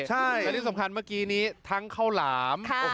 อันนี้สำคัญเมื่อกี้นี้ทั้งข้าวหลาม